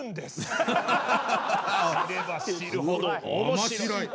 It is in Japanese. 面白い。